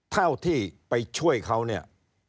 เท่าที่ไปช่วยเขาเนี่ย